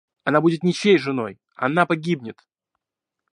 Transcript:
Она будет ничьей женой, она погибнет!